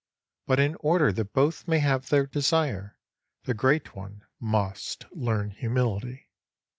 But in order that both may have their desire, the great one must learn humility.